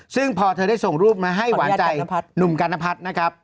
ซึ่งพอเธอได้ส่งรูปมาให้หวานใจหนุ่มกัณพัฒน์นะครับ